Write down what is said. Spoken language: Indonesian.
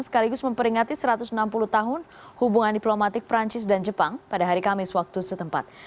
sekaligus memperingati satu ratus enam puluh tahun hubungan diplomatik perancis dan jepang pada hari kamis waktu setempat